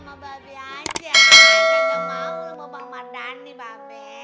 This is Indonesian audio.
gak mau lo mau bang mardhani babe